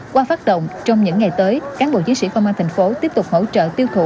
qua phát động trong những ngày tới cán bộ chí sĩ công an tp hcm tiếp tục hỗ trợ tiêu thụ